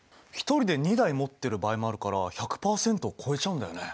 １人で２台持ってる場合もあるから１００％を超えちゃうんだよね。